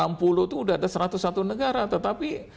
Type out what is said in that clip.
enam puluh itu sudah ada satu ratus satu negara tetapi